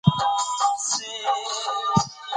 مور د ماشومانو د ناروغۍ په اړه اندیښنه لري.